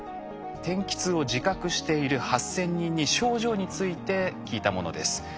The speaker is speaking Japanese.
天気痛を自覚している８，０００人に症状について聞いたものです。